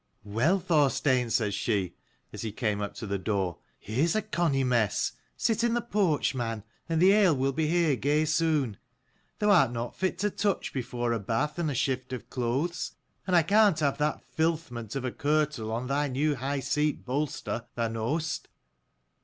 "Well, Thorstein," says she, as he came up to the door, "here's a conny mess. Sit in the porch, man, and the ale will be here gey soon. Thou art not fit to touch before a bath and a shift of clothes : and I can't have that filthment of a kirtle on thy new high seat bolster, thou know'st.